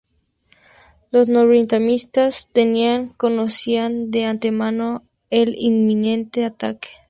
Los norvietnamitas tenían conocían de antemano el inminente ataque.